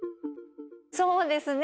そうですね。